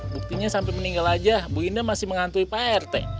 buktinya sampai meninggal aja bu indah masih menghantui prt